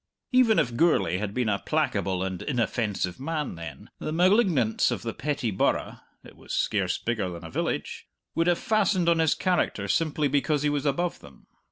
Even if Gourlay had been a placable and inoffensive man, then, the malignants of the petty burgh (it was scarce bigger than a village) would have fastened on his character simply because he was above them.